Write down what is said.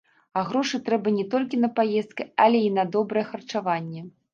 А грошы трэба не толькі на паездкі, але і на добрае харчаванне.